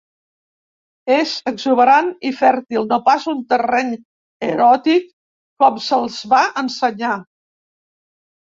És exuberant i fèrtil, no pas un terreny eròtic com se'ls va ensenyar.